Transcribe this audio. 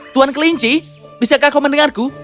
tuan kelinci bisakah kau mendengarku